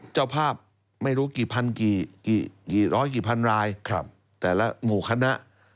เจ้าภาพไม่รู้กี่ร้อยกี่พันรายแต่ละหมู่คณะ